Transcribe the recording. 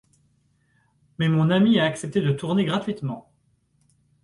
Mais mon ami a accepté de tourner gratuitement.